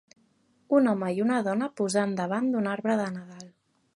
Un home i una dona posant davant d'un arbre de Nadal.